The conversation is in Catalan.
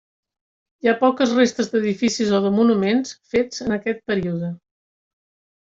Hi ha poques restes d'edificis o de monuments fets en aquest període.